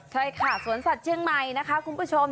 ใช่ค่ะสวนสัตว์เชียงใหม่นะคะคุณผู้ชม